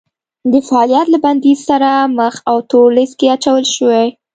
د فعالیت له بندیز سره مخ او تور لیست کې اچول شوي